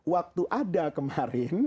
waktu ada kemarin